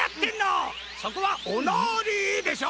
そこは「おなり」でしょ！